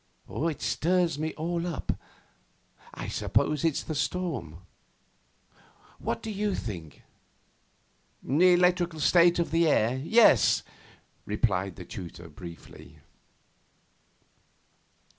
It stirs me all up. I suppose it's the storm. What do you think?' 'Electrical state of the air, yes,' replied the tutor briefly.